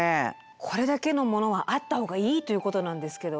これだけのものがあった方がいいということなんですけど。